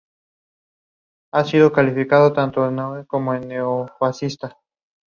He is the domestic policy spokesman in his parliamentary group.